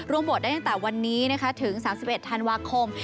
บวชได้ตั้งแต่วันนี้นะคะถึง๓๑ธันวาคม